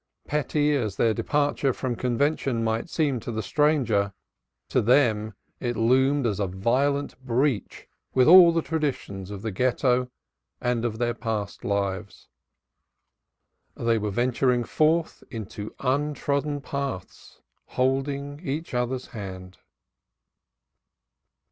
Petty as their departure from convention might seem to the stranger, to them it loomed as a violent breach with all the traditions of the Ghetto and their past lives; they were venturing forth into untrodden paths, holding each other's hand.